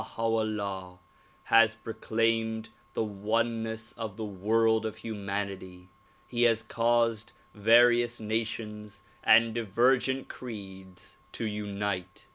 v 'Ullah has proclaimed the oneness of the world of humanity. He has caused various nations and divergent creeds to unite.